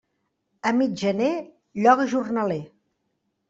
A mig gener lloga jornaler.